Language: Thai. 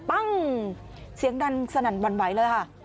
บ้างเสียงดันสนั่นบรรไวเลยอะ